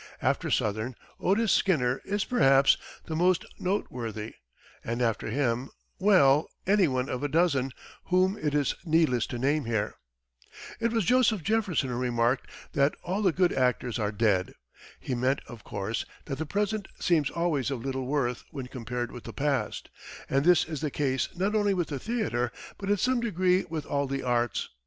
After Sothern, Otis Skinner is perhaps the most noteworthy, and after him, well, anyone of a dozen, whom it is needless to name here. It was Joseph Jefferson who remarked that "all the good actors are dead." He meant, of course, that the present seems always of little worth when compared with the past; and this is the case not only with the theatre, but in some degree with all the arts.